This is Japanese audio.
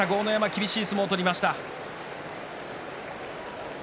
厳しい相撲を取りました豪ノ山。